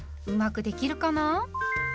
うまくできるかな？